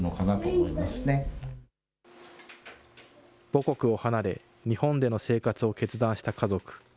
母国を離れ、日本での生活を決断した家族。